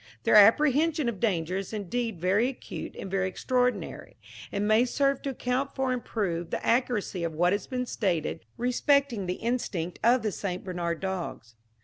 Their apprehension of danger is indeed very acute and very extraordinary, and may serve to account for and prove the accuracy of what has been stated respecting the instinct of the St. Bernard dogs.